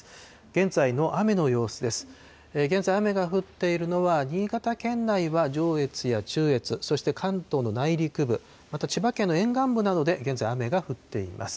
現在、雨が降っているのは新潟県内は上越や中越、そして関東の内陸部、また千葉県の沿岸部などで現在、雨が降っています。